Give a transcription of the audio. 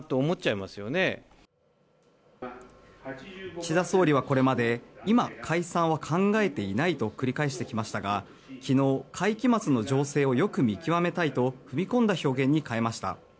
岸田総理はこれまで今、解散は考えていないと繰り返してきましたが昨日、会期末の情勢をよく見極めたいと踏み込んだ表現に変えました。